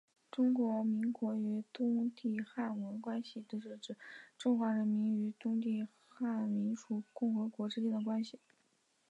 中华民国与东帝汶关系是指中华民国与东帝汶民主共和国之间的关系。